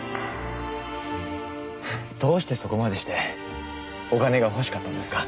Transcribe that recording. どうしてそこまでしてお金が欲しかったんですか？